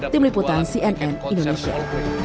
tim liputan cnn indonesia